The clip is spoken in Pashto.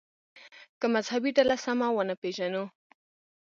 که مذهبي ډله سمه ونه پېژنو.